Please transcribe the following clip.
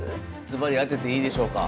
ずばり当てていいでしょうか？